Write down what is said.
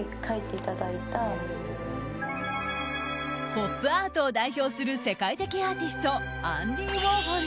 ポップアートを代表する世界的アーティストアンディ・ウォーホル。